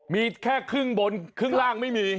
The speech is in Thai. มีแค่ครึ่งบนครึ่งล่างไม่มี